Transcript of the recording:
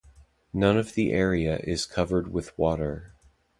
None of the area is covered with water.